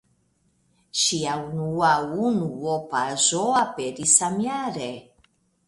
Ŝia unua unuopaĵo aperis samjare.